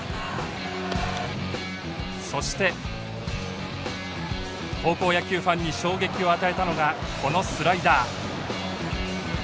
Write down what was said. そして高校野球ファンに衝撃を与えたのがこのスライダー。